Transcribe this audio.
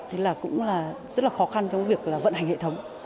thì cũng là rất là khó khăn trong việc vận hành hệ thống